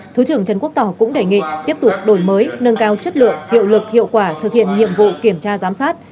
thứ trưởng trần quốc tỏ cũng đề nghị tiếp tục đổi mới nâng cao chất lượng hiệu lực hiệu quả thực hiện nhiệm vụ kiểm tra giám sát